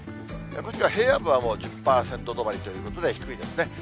こちら、平野部はもう１０％止まりということで低いですね。